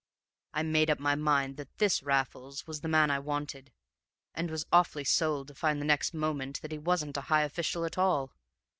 I made up my mind that this Raffles was the man I wanted, and was awfully sold to find next moment that he wasn't a high official at all.